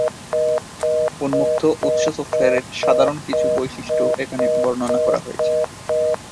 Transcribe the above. উন্মুক্ত উৎস সফটওয়্যারের সাধারণ কিছু বৈশিষ্ট্য এখানে বর্ণনা করা হয়েছে।